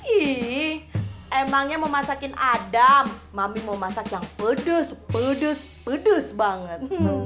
ih emangnya mau masakin adam mami mau masak yang pedes pedus pedes banget